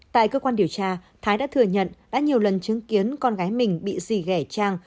tại cơ quan điều tra thái đã thừa nhận đã nhiều lần chứng kiến con gái mình bị gì ghẻ trang